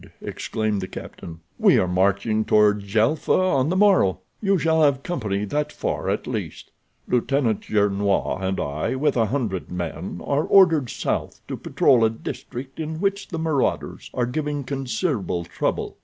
exclaimed the captain. "We are marching toward Djelfa on the morrow. You shall have company that far at least. Lieutenant Gernois and I, with a hundred men, are ordered south to patrol a district in which the marauders are giving considerable trouble.